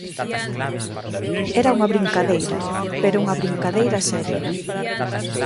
Era unha brincadeira, pero unha brincadeira seria.